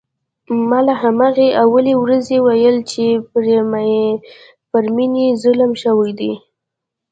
ما له همهغې اولې ورځې ویل چې پر مينې ظلم شوی دی